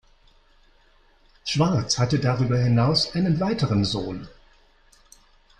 Schwarz hatte darüber hinaus einen weiteren Sohn.